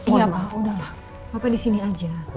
iya pak udah lah papa di sini aja